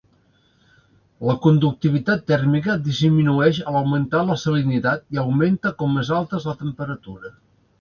La conductivitat tèrmica disminueix a l'augmentar la salinitat i augmenta com més alta és la temperatura.